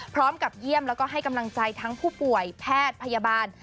พร้อมกับเยี่ยมแล้วก็ให้กำลังใจทั้งผู้ป่วยแพทย์พยาบาล